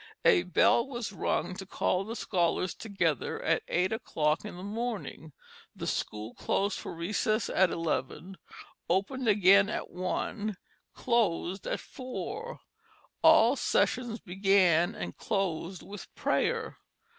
A bell was rung to call the scholars together at eight o'clock in the morning, the school closed for a recess at eleven, opened again at one, closed at four; all sessions began and closed with prayer.